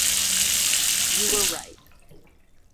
You were right.